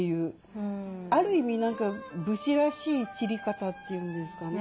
ある意味何か武士らしい散り方っていうんですかねうん。